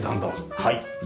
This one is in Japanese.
はい。